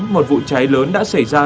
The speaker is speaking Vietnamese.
một vụ cháy lớn đã xảy ra